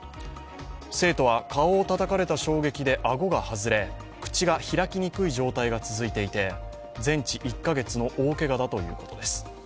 生徒は顔をたたかれた衝撃であごが外れ口が開きにくい状態が続いていて、全治１か月の大けがだということです。